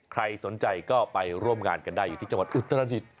ใครสนใจก็ไปร่วมงานกันได้อยู่ที่จังหวัดอุตรดิษฐ์